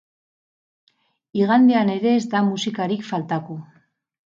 Igandean ere ez da musikarik faltako.